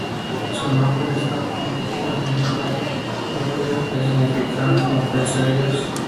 Su nombre es la forma griega del nombre hebreo, que significa "recompensa de Dios".